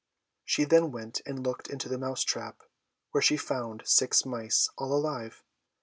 She then went and looked into the mouse trap, where she found six mice, all alive.